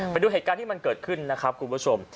ไปดูเหตุการณ์ที่มันเกิดขึ้นนะครับคุณผู้ชม